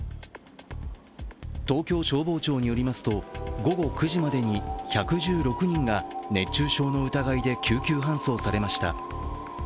東京消防庁によりますと午後９時までに１１６人が熱中症の疑いで救急搬送されました。